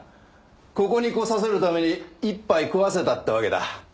ここに来させるためにいっぱい食わせたってわけだ。